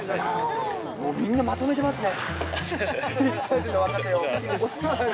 みんなまとめてますね。